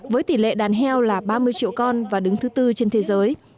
với tỷ lệ đàn heo là ba mươi triệu con và đứng thứ tư trên thế giới